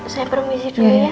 saya permisi dulu ya